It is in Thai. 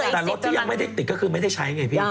แต่รถที่ยังไม่ได้ติดก็คือไม่ได้ใช้ไงพี่